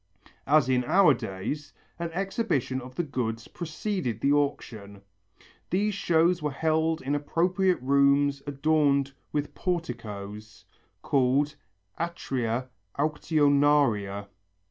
As in our days, an exhibition of the goods preceded the auction. These shows were held in appropriate rooms adorned with porticos, called atria auctionaria.